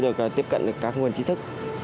được tiếp cận các nguồn trí thức